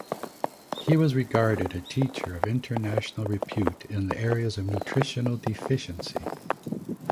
He was regarded a teacher of international repute in the areas of nutritional deficiency.